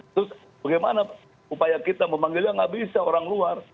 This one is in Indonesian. terus bagaimana upaya kita memanggilnya nggak bisa orang luar